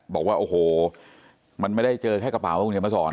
บอกว่าโอ้โหมันไม่ได้เจอแค่กระเป๋าคุณเขียนมาสอน